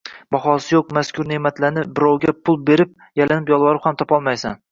Bahosi yo‘q mazkur ne’matlarni birovga pul berib, yalinib-yolvorib ham topolmaysiz.